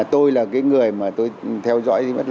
tôi là cái người mà tôi theo dõi